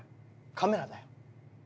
カメラだよ。